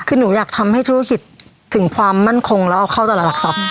คือหนูอยากทำให้ชู้เที่ยวกิจถึงความมั่นคงแล้วเอาเข้าแต่หลักซ้อน